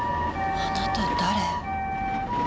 あなた誰？